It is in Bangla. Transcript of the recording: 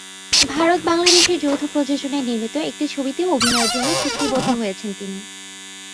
ভারত-বাংলাদেশের যৌথ প্রযোজনায় নির্মিত একটি ছবিতেও অভিনয়ের জন্য চুক্তিবদ্ধ হয়েছেন তিনি।